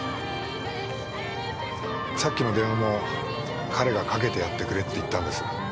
さっきの電話も彼が「かけてやってくれ」って言ったんです。